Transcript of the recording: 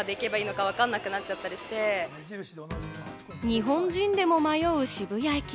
日本人でも迷う渋谷駅。